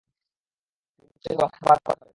তিনি তাদের জন্য গরম খাবার পাঠালেন।